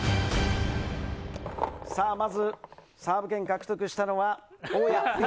まず、サーブ権獲得したのは大矢。